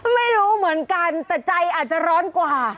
ไม่รู้เหมือนกันแต่ใจอาจจะร้อนกว่า